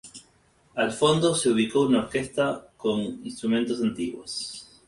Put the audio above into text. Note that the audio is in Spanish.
Al fondo se ubicó una orquesta con instrumentos antiguos.